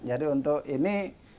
jadi untuk ini